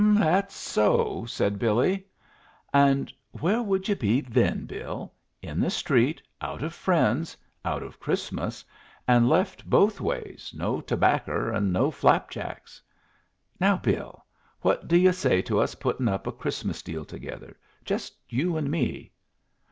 "That's so," said Billy. "And where would yu' be then, Bill? In the street, out of friends, out of Christmas, and left both ways, no tobaccer and no flapjacks. Now, Bill, what do yu' say to us putting up a Christmas deal together? Just you and me?"